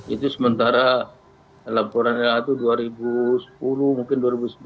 itu sementara laporan lha itu dua ribu sepuluh mungkin dua ribu sebelas dua ribu dua belas